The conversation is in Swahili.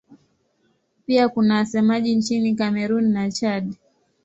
Pia kuna wasemaji nchini Kamerun na Chad.